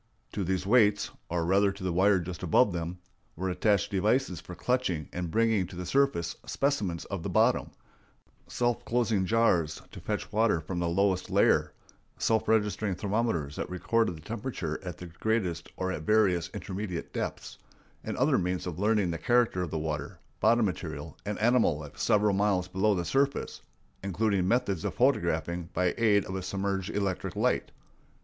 To these weights (or rather to the wire just above them) were attached devices for clutching and bringing to the surface specimens of the bottom, self closing jars to fetch water from the lowest layer, self registering thermometers that recorded the temperatures at the greatest or at various intermediate depths, and other means of learning the character of the water, bottom material, and animal life several miles below the surface, including methods of photographing by aid of a submerged electric light.